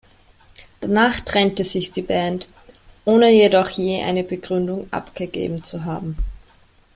Danach trennte sich die Band, ohne jedoch je eine Begründung abgegeben zu haben.